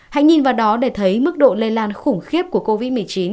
hãy nhìn vào đó để thấy mức độ lây lan khủng khiếp của covid một mươi chín